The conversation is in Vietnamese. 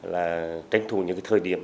là tranh thủ những cái thời điểm